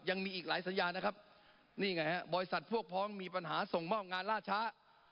ยังมีอีกหลายสัญญานะครับนี่ไงฮะบริษัทพวกพ้องมีปัญหาส่งมอบงานล่าช้า